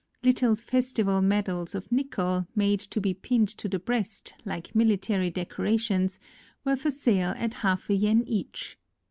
Little festival med als of nickel, made to be pinned to the breast, like military decorations, were for sale at half a yen each.